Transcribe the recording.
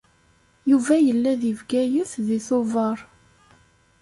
Yuba yella deg Bgayet deg Tubeṛ.